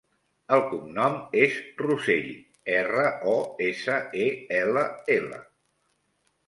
El cognom és Rosell: erra, o, essa, e, ela, ela.